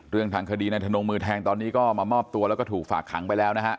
ทางคดีนายทนงมือแทงตอนนี้ก็มามอบตัวแล้วก็ถูกฝากขังไปแล้วนะฮะ